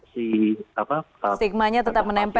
stigmanya tetap menempel gitu ya